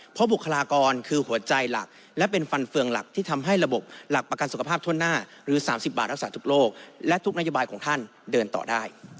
เพราะบุคลากรคือหัวใจหลักและเป็นฟันเฟืองหลักที่ทำให้ระบบหลักประกันสุขภาพทั่วหน้าหรือ๓๐บาทรักษาทุกโลกและทุกนโยบายของท่านเดินต่อได้